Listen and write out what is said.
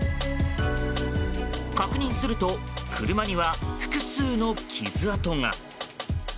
確認すると車には複数の傷跡が。